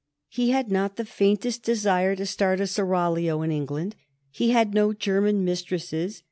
He had not the faintest desire to start a seraglio in England. He had no German mistresses.